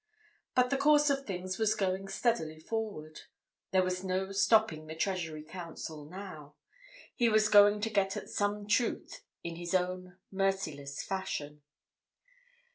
But the course of things was going steadily forward. There was no stopping the Treasury Counsel now; he was going to get at some truth in his own merciless fashion.